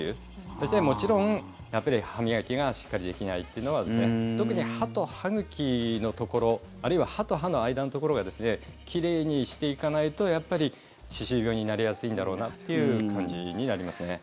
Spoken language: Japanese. そして、もちろん歯磨きがしっかりできないというのは特に歯と歯茎のところあるいは歯と歯の間のところが奇麗にしていかないとやっぱり歯周病になりやすいんだろうなっていう感じになりますね。